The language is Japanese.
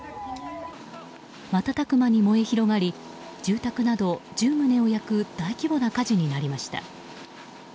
瞬く間に燃え広がり住宅など１０棟を焼く大規模な火事になりました。